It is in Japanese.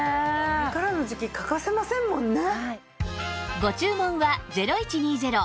これからの時季欠かせませんもんね。